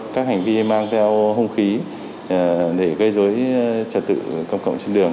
các hành vi mang theo hung khí để gây dối trật tự công cộng trên đường